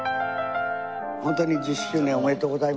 ホントに１０周年おめでとうございます。